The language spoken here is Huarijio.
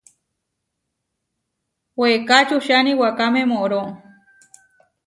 Weeká čuhčáni iwakáme mooró.